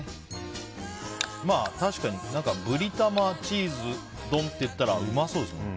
確かにブリたまチーズ丼っていったらうまそうですもんね。